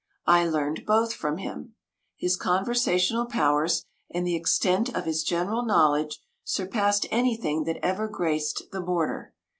I learned both from him. His conversational powers and the extent of his general knowledge surpassed anything that ever graced the border.